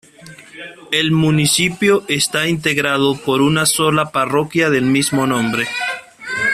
El municipio está integrado por una sola parroquia del mismo nombre.